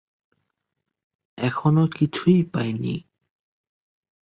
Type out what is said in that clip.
এখনো কিছুই পাইনি।